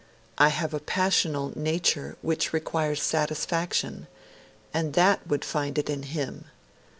I have a passionate nature which requires satisfaction, and that would find it in him.